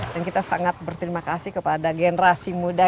dan kita sangat berterima kasih kepada generasi muda